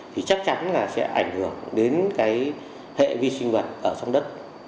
thì chắc chắn là sẽ ảnh hưởng đến cái hệ vi sinh vật ở trong đất